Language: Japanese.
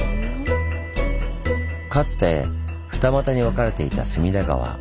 かつて二股に分かれていた隅田川。